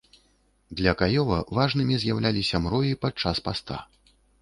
Для каёва важнымі з'яўляліся мроі падчас паста.